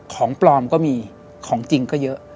ของปลอมก็มีของจริงก็เยอะ